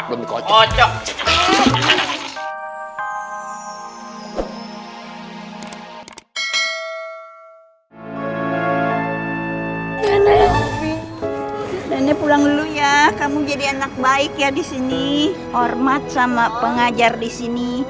nenek pulang dulu ya kamu jadi anak baik ya di sini hormat sama pengajar di sini